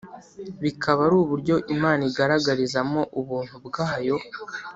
bikaba ari uburyo Imana igaragarizamo ubuntu bwayo